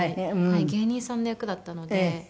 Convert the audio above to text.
芸人さんの役だったので。